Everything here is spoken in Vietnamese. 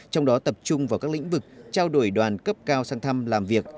trong đó tập trung vào các lĩnh vực trao đổi đoàn cấp cao sang thăm làm việc